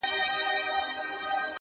هغه مه ښوروه ژوند راڅخـه اخلي.!